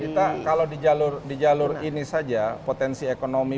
kita kalau di jalur ini saja potensi ekonomi